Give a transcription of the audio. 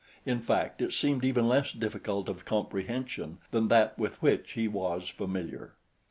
In fact, it seemed even less difficult of comprehension than that with which he was familiar.